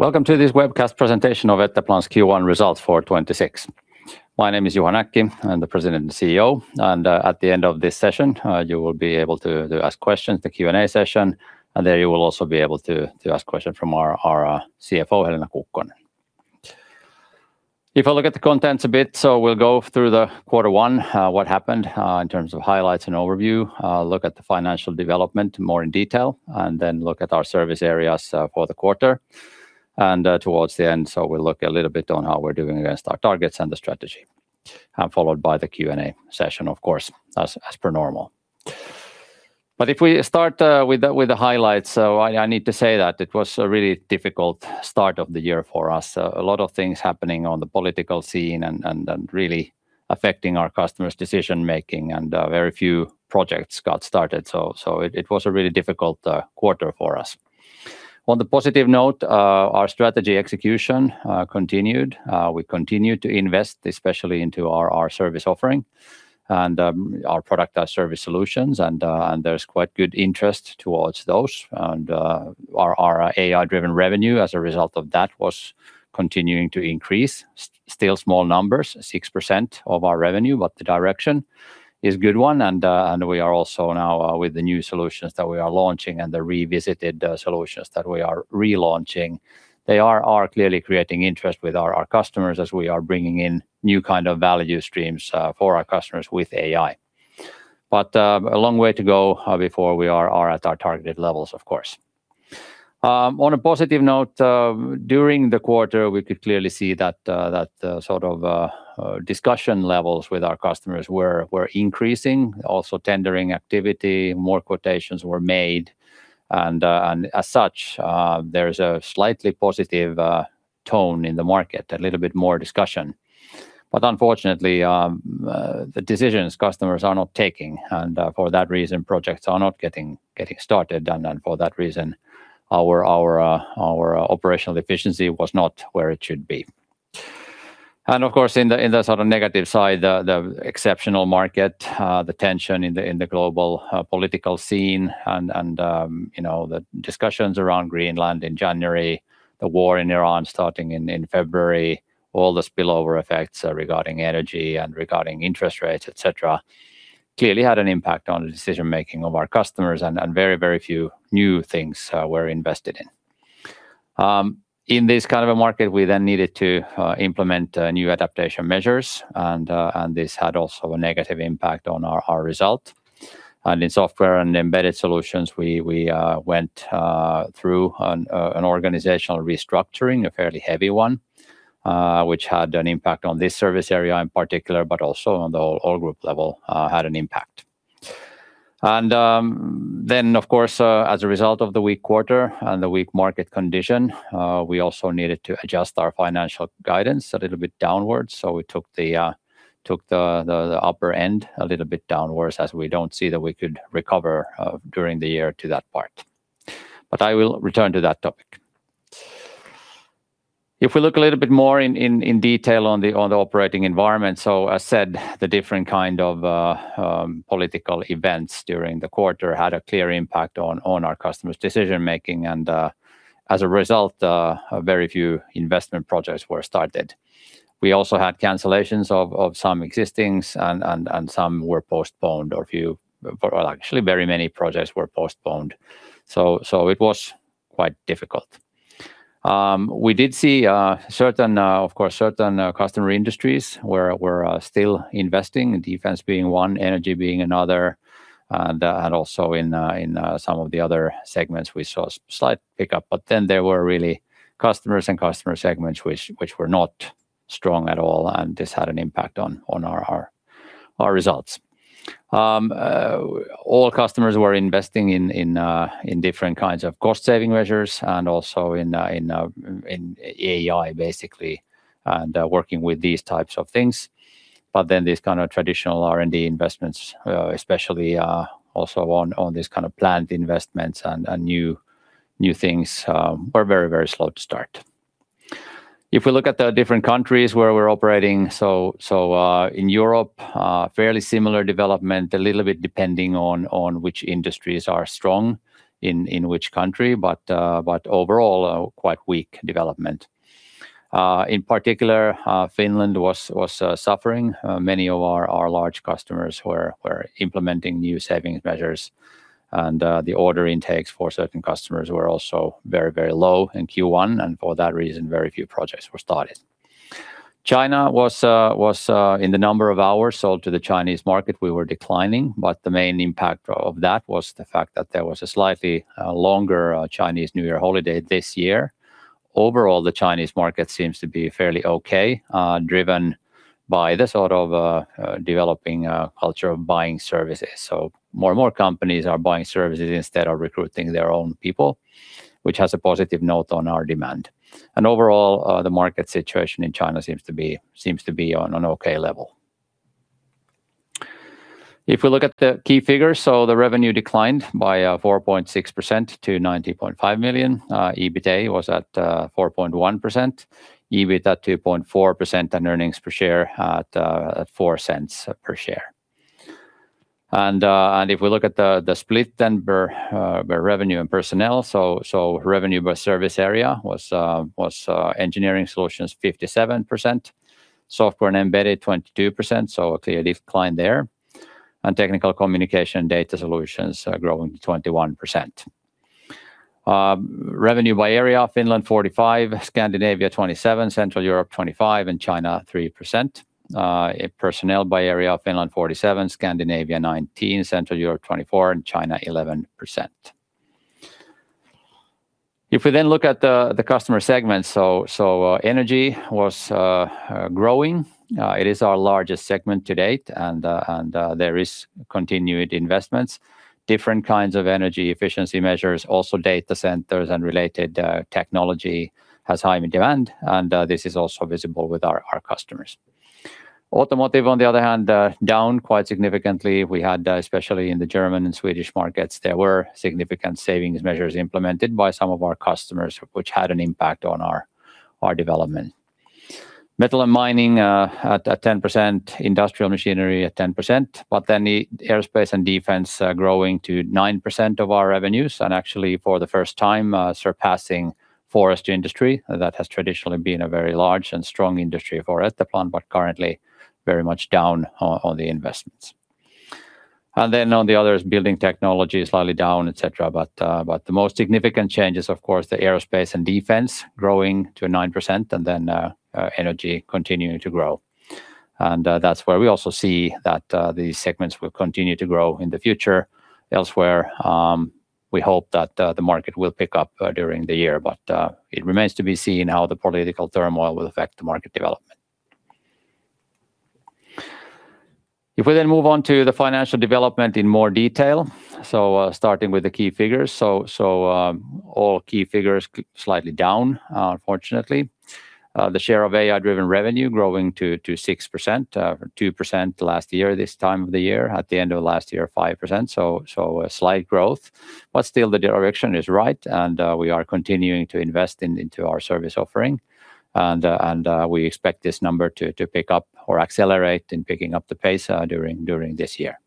Welcome to this webcast presentation of Etteplan's Q1 results for 2026. My name is Juha Näkki. I'm the President and CEO, at the end of this session, you will be able to ask questions, the Q&A session, and there you will also be able to ask questions from our CFO, Helena Kukkonen. If I look at the contents a bit, so we'll go through the quarter one, what happened in terms of highlights and overview, look at the financial development more in detail, and then look at our service areas for the quarter. Towards the end, so we'll look a little bit on how we're doing against our targets and the strategy, followed by the Q&A session, of course, as per normal. If we start with the highlights, I need to say that it was a really difficult start of the year for us. A lot of things happening on the political scene and really affecting our customers' decision-making and very few projects got started. It was a really difficult quarter for us. On the positive note, our strategy execution continued. We continued to invest, especially into our service offering and our service solutions and there's quite good interest towards those and our AI-driven revenue as a result of that was continuing to increase. Still small numbers, 6% of our revenue, but the direction is good one and we are also now with the new solutions that we are launching and the revisited solutions that we are relaunching, they are clearly creating interest with our customers as we are bringing in new kind of value streams for our customers with AI. A long way to go before we are at our targeted levels, of course. On a positive note, during the quarter, we could clearly see that sort of discussion levels with our customers were increasing, also tendering activity, more quotations were made and as such, there is a slightly positive tone in the market, a little bit more discussion. Unfortunately, the decisions customers are not taking and, for that reason, projects are not getting started and then for that reason our operational efficiency was not where it should be. Of course in the, in the sort of negative side, the exceptional market, the tension in the global political scene and, you know, the discussions around Greenland in January, the war in Iran starting in February, all the spillover effects regarding energy and regarding interest rates, et cetera, clearly had an impact on the decision-making of our customers and very few new things were invested in. In this kind of a market we then needed to implement new adaptation measures and this had also a negative impact on our result. In Software and Embedded Solutions, we went through an organizational restructuring, a fairly heavy one, which had an impact on this service area in particular, but also on the all group level had an impact. Of course, as a result of the weak quarter and the weak market condition, we also needed to adjust our financial guidance a little bit downwards. We took the upper end a little bit downwards as we don't see that we could recover during the year to that part. I will return to that topic. If we look a little bit more in, in detail on the, on the operating environment, as said, the different kind of political events during the quarter had a clear impact on our customers' decision-making and, as a result, a very few investment projects were started. We also had cancellations of some existings and some were postponed. Well, actually very many projects were postponed. It was quite difficult. We did see certain, of course, certain customer industries were still investing, defense being one, energy being another, and also in some of the other segments we saw slight pickup. There were really customers and customer segments which were not strong at all and this had an impact on our results. All customers were investing in different kinds of cost saving measures and also in AI basically, and working with these types of things. These kind of traditional R&D investments, especially, also on these kind of planned investments and new things, were very slow to start. If we look at the different countries where we're operating, so, in Europe, fairly similar development, a little bit depending on which industries are strong in which country, but overall a quite weak development. In particular, Finland was suffering. Many of our large customers were implementing new savings measures and the order intakes for certain customers were also very low in Q1 and for that reason, very few projects were started. China was in the number of hours sold to the Chinese market, we were declining, but the main impact of that was the fact that there was a slightly longer Chinese New Year holiday this year. Overall, the Chinese market seems to be fairly okay, driven by the sort of developing culture of buying services. More and more companies are buying services instead of recruiting their own people, which has a positive note on our demand. Overall, the market situation in China seems to be on an okay level. If we look at the key figures, the revenue declined by 4.6% to 90.5 million. EBITA was at 4.1%. EBIT at 2.4%, earnings per share at 0.04 per share. If we look at the split then per revenue and personnel, revenue by service area was Engineering Solutions 57%, Software and Embedded Solutions 22%, a clear decline there, Technical Communication and Data Solutions growing to 21%. Revenue by area: Finland 45%, Scandinavia 27%, Central Europe 25%, China 3%. Personnel by area: Finland 47%, Scandinavia 19%, Central Europe 24%, China 11%. If we then look at the customer segments, energy was growing. It is our largest segment to date, there is continued investments. Different kinds of energy efficiency measures, also data centers and related technology has high demand, this is also visible with our customers. Automotive, on the other hand, down quite significantly. We had, especially in the German and Swedish markets, there were significant savings measures implemented by some of our customers, which had an impact on our development. Metal and mining, at 10%, industrial machinery at 10%, aerospace and defense, growing to 9% of our revenues, and actually for the first time, surpassing forest industry. That has traditionally been a very large and strong industry for Etteplan, currently very much down on the investments. On the other is building technology, slightly down, et cetera. The most significant change is, of course, the aerospace and defense growing to 9%, and then energy continuing to grow. That's where we also see that these segments will continue to grow in the future. Elsewhere, we hope that the market will pick up during the year. It remains to be seen how the political turmoil will affect the market development. If we then move on to the financial development in more detail, starting with the key figures. All key figures slightly down, unfortunately. The share of AI-driven revenue growing to 6%. Two percent last year this time of the year. At the end of last year, 5%. A slight growth, but still the direction is right, and we are continuing to invest into our service offering. We expect this number to pick up or accelerate in picking up the pace during this year.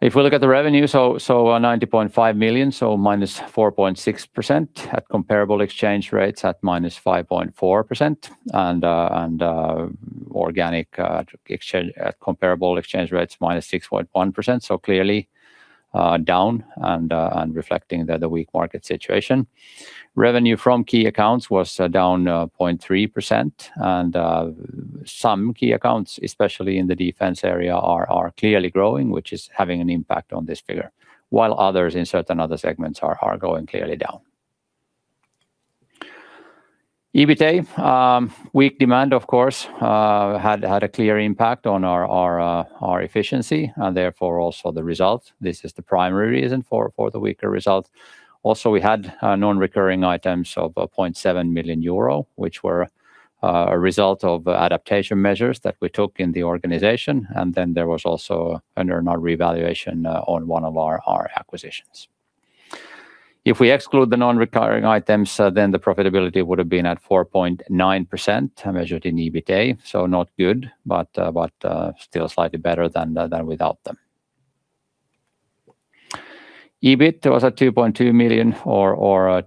If we look at the revenue, so 90.5 million, -4.6% at comparable exchange rates, at -5.4%. Organic at comparable exchange rates, -6.1%. Clearly down and reflecting the weak market situation. Revenue from key accounts was down 0.3%. Some key accounts, especially in the defense area, are clearly growing, which is having an impact on this figure, while others in certain other segments are going clearly down. EBITA, weak demand, of course, had a clear impact on our efficiency, and therefore also the results. This is the primary reason for the weaker results. Also, we had non-recurring items of 0.7 million euro, which were a result of adaptation measures that we took in the organization. There was also an earnout revaluation on one of our acquisitions. If we exclude the non-recurring items, then the profitability would have been at 4.9%, measured in EBITA. Not good, but still slightly better than without them. EBIT was at 2.2 million or 2.4%.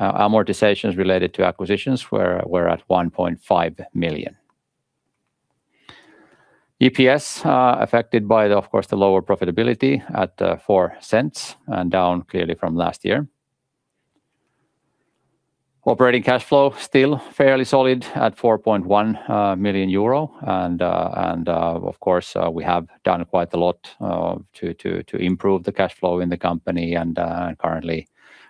Amortizations related to acquisitions were at 1.5 million. EPS affected by, of course, the lower profitability at 0.04 and down clearly from last year. Operating cash flow still fairly solid at 4.1 million euro. Of course, we have done quite a lot to improve the cash flow in the company.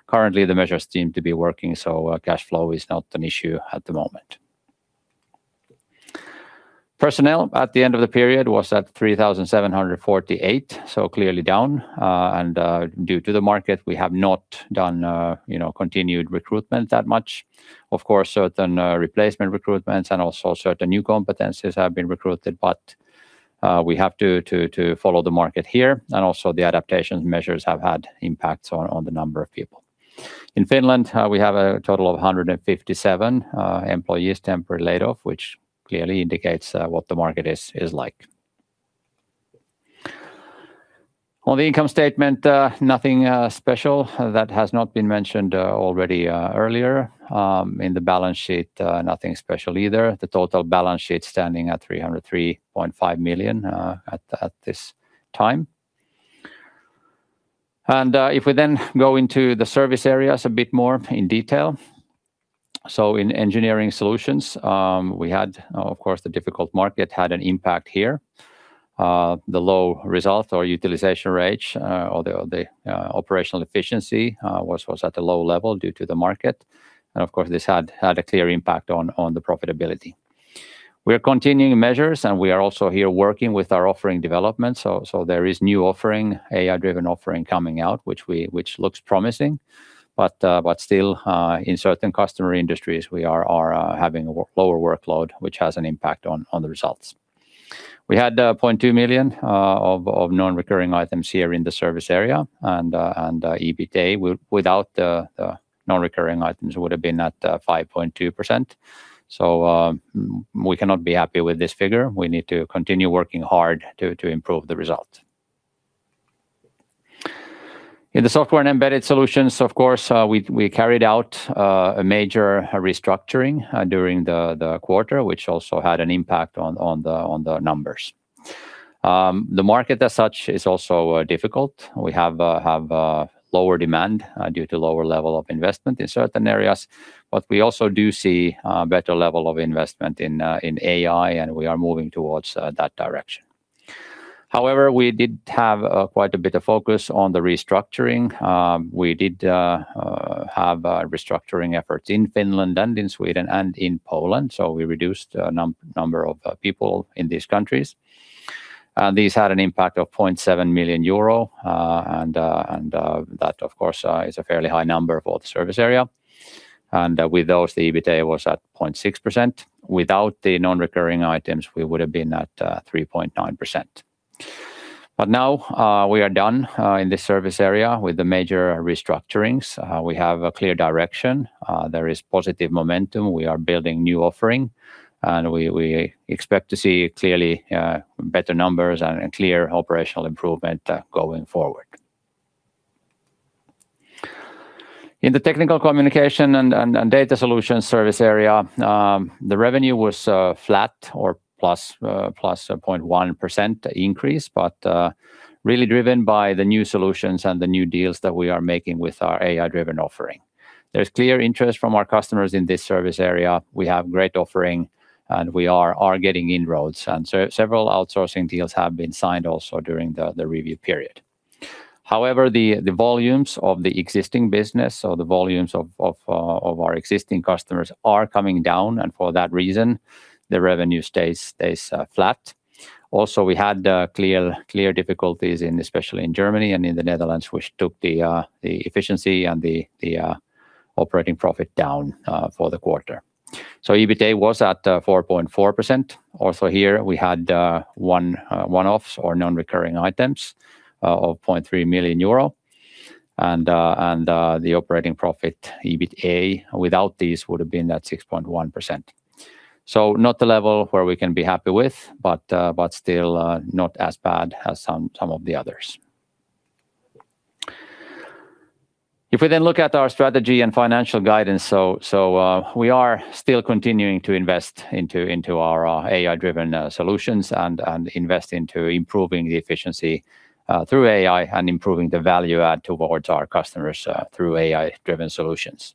Currently the measures seem to be working, so cash flow is not an issue at the moment. Personnel at the end of the period was at 3,748, so clearly down. Due to the market, we have not done, you know, continued recruitment that much. Of course, certain replacement recruitments and also certain new competencies have been recruited. We have to follow the market here, and also the adaptation measures have had impacts on the number of people. In Finland, we have a total of 157 employees temporarily laid off, which clearly indicates what the market is like. On the income statement, nothing special that has not been mentioned already earlier. In the balance sheet, nothing special either. The total balance sheet standing at 303.5 million at this time. If we go into the service areas a bit more in detail. In Engineering Solutions, we had, of course, the difficult market had an impact here. The low result or utilization rate, or the operational efficiency, was at a low level due to the market. Of course, this had a clear impact on the profitability. We are continuing measures, and we are also here working with our offering development. There is new offering, AI-driven offering coming out, which looks promising. Still, in certain customer industries, we are having a lower workload, which has an impact on the results. We had 0.2 million of non-recurring items here in the service area. EBITA without the non-recurring items would have been at 5.2%. We cannot be happy with this figure. We need to continue working hard to improve the results. In the Software and Embedded Solutions, of course, we carried out a major restructuring during the quarter, which also had an impact on the numbers. The market as such is also difficult. We have lower demand due to lower level of investment in certain areas. We also do see a better level of investment in AI, and we are moving towards that direction. However, we did have quite a bit of focus on the restructuring. We did have restructuring efforts in Finland and in Sweden and in Poland, so we reduced a number of people in these countries. This had an impact of 0.7 million euro, and that of course is a fairly high number for the service area. With those, the EBITDA was at 0.6%. Without the non-recurring items, we would have been at 3.9%. Now, we are done in this service area with the major restructurings. We have a clear direction. There is positive momentum. We are building new offering, and we expect to see clearly better numbers and a clear operational improvement going forward. In the Technical Communication and Data Solutions service area, the revenue was flat or +0.1% increase, really driven by the new solutions and the new deals that we are making with our AI-driven offering. There's clear interest from our customers in this service area. We have great offering, we are getting inroads. Several outsourcing deals have been signed also during the review period. However, the volumes of the existing business or the volumes of our existing customers are coming down, for that reason, the revenue stays flat. Also, we had clear difficulties in especially in Germany and in the Netherlands, which took the efficiency and the operating profit down for the quarter. EBITA was at 4.4%. Also here we had one-offs or non-recurring items of 0.3 million euro. The operating profit, EBITA, without these, would have been at 6.1%. Not the level where we can be happy with, but still, not as bad as some of the others. Looking at our strategy and financial guidance, we are still continuing to invest into our AI-driven solutions and invest into improving the efficiency through AI and improving the value add towards our customers through AI-driven solutions.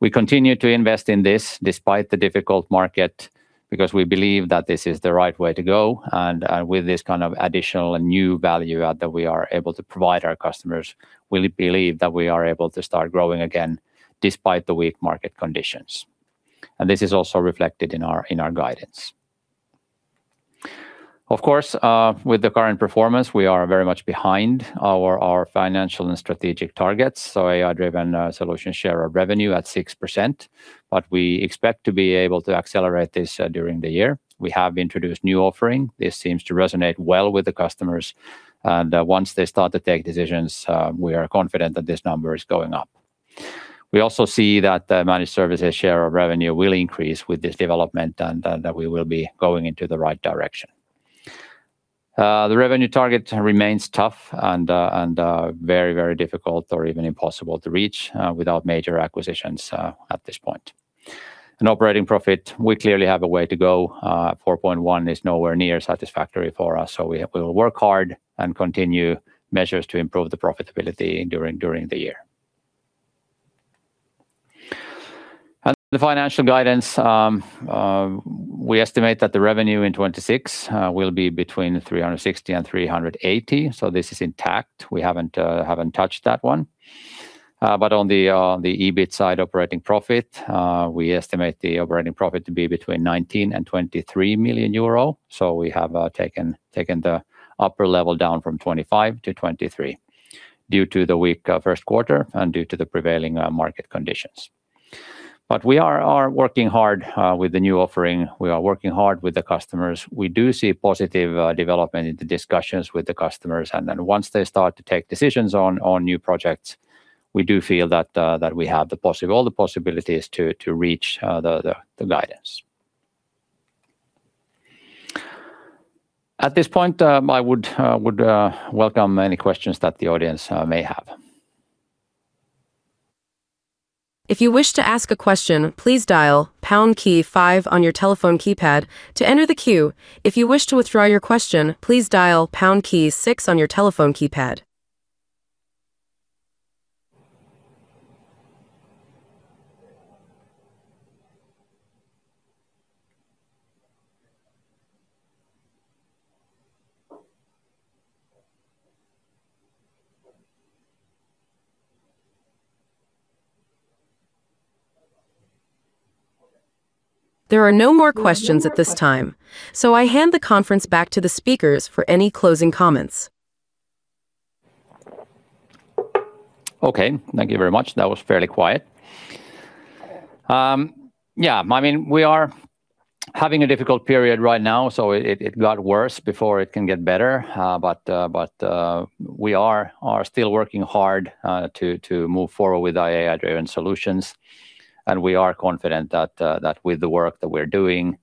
We continue to invest in this despite the difficult market because we believe that this is the right way to go, and with this kind of additional and new value add that we are able to provide our customers, we believe that we are able to start growing again despite the weak market conditions. This is also reflected in our guidance. With the current performance, we are very much behind our financial and strategic targets. AI-driven solution share of revenue at 6%, but we expect to be able to accelerate this during the year. We have introduced new offering. This seems to resonate well with the customers, once they start to take decisions, we are confident that this number is going up. We also see that the managed services share of revenue will increase with this development and that we will be going into the right direction. The revenue target remains tough and very difficult or even impossible to reach without major acquisitions at this point. In operating profit, we clearly have a way to go. 4.1% is nowhere near satisfactory for us. We will work hard and continue measures to improve the profitability during the year. The financial guidance, we estimate that the revenue in 2026 will be between 360 million and 380 million. This is intact. We haven't touched that one. On the EBIT side operating profit, we estimate the operating profit to be between 19 million and 23 million euro. We have taken the upper level down from 25 million-23 million due to the weak first quarter and due to the prevailing market conditions. We are working hard with the new offering. We are working hard with the customers. We do see positive development in the discussions with the customers, and then once they start to take decisions on new projects, we do feel that we have all the possibilities to reach the guidance. At this point, I would welcome any questions that the audience may have. There are no more questions at this time, so I hand the conference back to the speakers for any closing comments. Okay. Thank you very much. That was fairly quiet. Yeah, I mean, we are having a difficult period right now, it got worse before it can get better. We are still working hard to move forward with our AI-driven solutions. We are confident that with the work that we're doing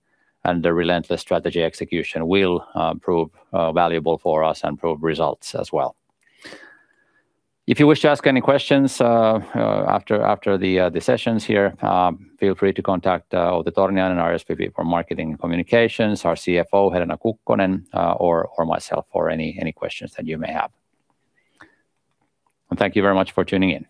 and the relentless strategy execution will prove valuable for us and prove results as well. If you wish to ask any questions after the sessions here, feel free to contact Outi Torniainen and SVP for marketing and communications, our CFO, Helena Kukkonen, or myself for any questions that you may have. Thank you very much for tuning in.